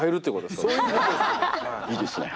いいですね。